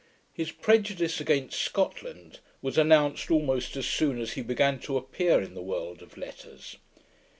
His prejudice against Scotland was announced almost as soon as he began to appear in the world of letters.